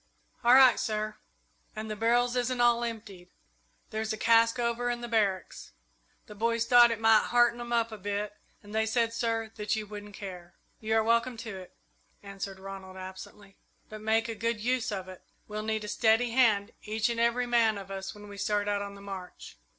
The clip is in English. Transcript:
"All right, sir. And the barrels isn't all emptied. There's a cask over in the barracks. The boys thought it might hearten 'em up a bit, and they said, sir, that you wouldn't care." "You are welcome to it," answered Ronald, absently, "but make a good use of it. We'll need a steady hand, each and every man of us, when we start out on the march."